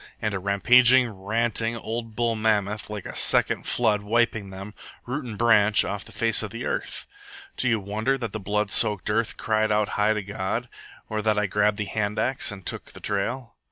And a rampaging, ranting, old bull mammoth, like a second flood, wiping them, root and branch, off the face of the earth! Do you wonder that the blood soaked earth cried out to high God? Or that I grabbed the hand axe and took the trail?"